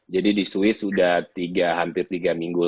jadi di swiss sudah tiga hampir tiga minggu lebih